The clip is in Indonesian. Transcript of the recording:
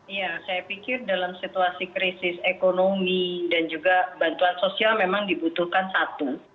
iya saya pikir dalam situasi krisis ekonomi dan juga bantuan sosial memang dibutuhkan satu